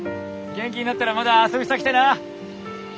元気になったらまだ遊びさ来てな。